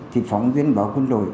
thì phóng viên báo quân đội